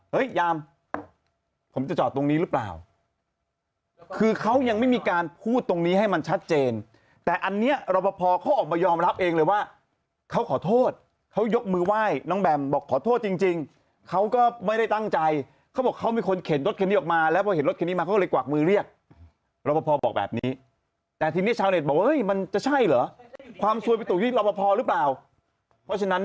เฮ้ยยามผมจะจอดตรงนี้หรือเปล่าคือเขายังไม่มีการพูดตรงนี้ให้มันชัดเจนแต่อันเนี้ยรปภอเขาออกมายอมรับเองเลยว่าเขาขอโทษเขายกมือไหว้น้องแบมบอกขอโทษจริงเขาก็ไม่ได้ตั้งใจเขาบอกเขาไม่ควรเข็นรถคันนี้ออกมาแล้วพอเห็นรถคันนี้มาก็เลยกว่ากมือเรียกรปภอบอกแบบนี้แต่ทีนี้ชาวเน็ตบอกว่ามันจะ